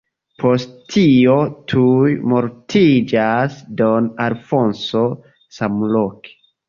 Post tio tuj mortiĝas don Alfonso samloke.